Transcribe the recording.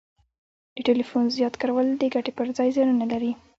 د ټلیفون زیات کارول د ګټي پر ځای زیانونه لري